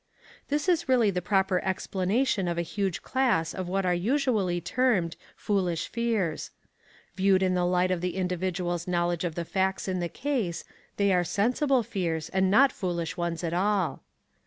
This is really the proper explanation of a large class of what are usually termed foolish fears. Viewed in the light of the individual's knowledge of the facts in the case, they are sensible fears, and not foolish ones at all.